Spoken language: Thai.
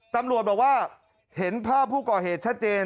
ตำรวจบอกว่าเห็นภาพผู้ก่อเหตุชัดเจน